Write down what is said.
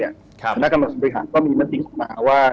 คณะกรรมการบริหารก็มีมันสิ้นขึ้นมาว่า